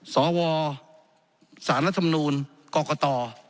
สวสารละทำนูลกกต